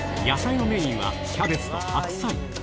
野菜のメインは、キャベツと白菜。